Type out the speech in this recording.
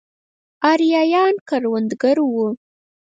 ارایایان کروندګر وو.